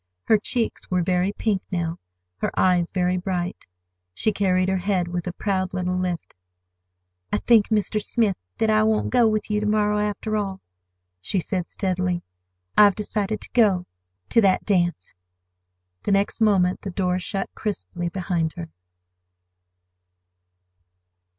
Her cheeks were very pink now, her eyes very bright. She carried her head with a proud little lift. "I think, Mr. Smith, that I won't go with you to morrow, after all," she said steadily. "I've decided to go—to that dance." The next moment the door shut crisply behind her.